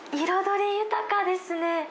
彩り豊かですね。